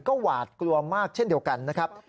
ก็หวาดกลัวมากเช่นเดียวกันนะครับ